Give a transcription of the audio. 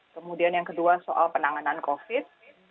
kemudian yang kedua soal penanganan covid